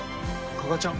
加賀ちゃん？